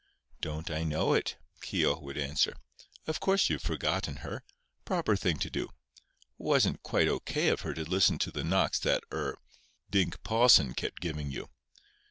"Don't I know it?" Keogh would answer. "Of course you've forgotten her. Proper thing to do. Wasn't quite O. K. of her to listen to the knocks that—er—Dink Pawson kept giving you."